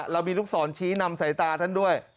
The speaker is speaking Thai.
เรามีลูกศรชี้นำสายตาท่านด้วย